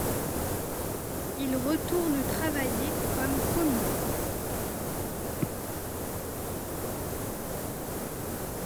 Il retourne travailler comme commis.